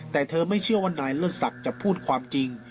แต่เธอไม่เชื่อว่านายเลิศศักดิ์จะพูดความจริง